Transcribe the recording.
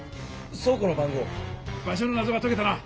場所の謎がとけたな！